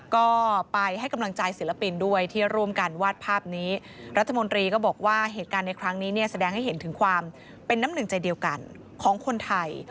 ก็ไปให้กำลังใจศิลปินด้วยที่ร่วมกันวาดภาพนี้รัฐมนตรีก็บอกว่าเหตุการณ์ในครั้งนี้เนี่ยแสดงให้เห็นถึงความเป็นน้ำหนึ่งใจเดียวกันของคนไทย